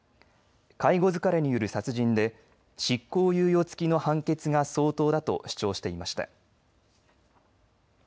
介護疲れによる殺人で執行猶予付きの判決が相当だと主張していました。